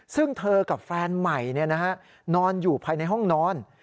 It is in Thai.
ซึ่งเธอกับแฟนใหม่นอนอยู่ภายในห้องนอน